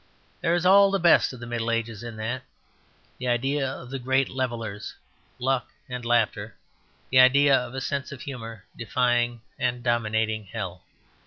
There is all the best of the Middle Ages in that; the idea of the great levellers, luck and laughter; the idea of a sense of humour defying and dominating hell.